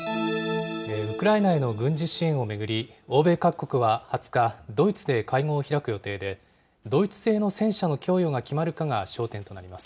ウクライナへの軍事支援を巡り、欧米各国は２０日、ドイツで会合を開く予定で、ドイツ製の戦車の供与が決まるかが焦点となります。